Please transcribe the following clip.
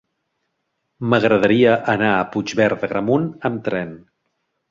M'agradaria anar a Puigverd d'Agramunt amb tren.